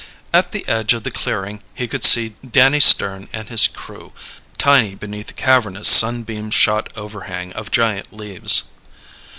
At the edge of the clearing he could see Danny Stern and his crew, tiny beneath the cavernous sunbeam shot overhang of giant leaves.